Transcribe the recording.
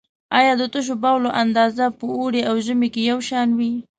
آیا د تشو بولو اندازه په اوړي او ژمي کې یو شان وي؟